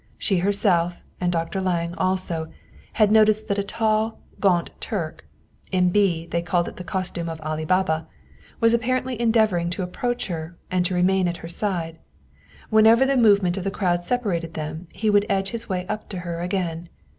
She herself, and Dr. Lange also, had noticed that a tall, gaunt Turk (in B. they called it the costume of Ali Baba) was apparently endeavoring to approach her and to remain at her side. Whenever the movement of the crowd separated them, he would edge his way up to her again.